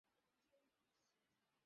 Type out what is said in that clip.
Thomas Kelly.